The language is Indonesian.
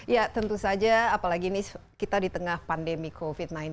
ya tentu saja apalagi ini kita di tengah pandemi covid sembilan belas